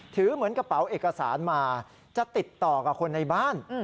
เหมือนกระเป๋าเอกสารมาจะติดต่อกับคนในบ้าน